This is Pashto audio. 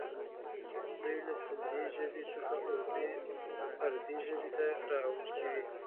دوی له سیندي ژبې څخه اردي ژبې ته را اوښتي وي.